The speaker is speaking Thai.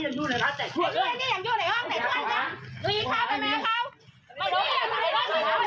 ไม่ใช่ไม่ใช่ไม่ใช่ไม่ใช่ไม่ใช่ไม่ใช่